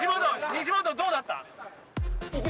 西本どうだった？